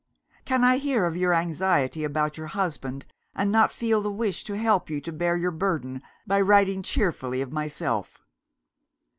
"Can I hear of your anxiety about your husband, and not feel the wish to help you to bear your burden by writing cheerfully of myself?